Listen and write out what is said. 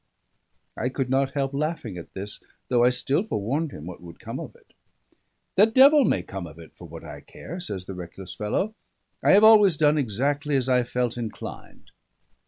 I could not help laughing at this; though I still forewarned him what would come of it. "The devil may come of it for what I care," says the reckless fellow. "I have always done exactly as I felt inclined."